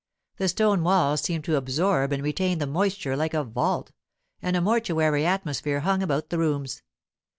The stone walls seemed to absorb and retain the moisture like a vault, and a mortuary atmosphere hung about the rooms.